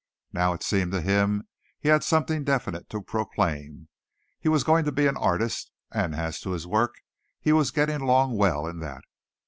Now it seemed to him he had something definite to proclaim. He was going to be an artist; and as to his work, he was getting along well in that.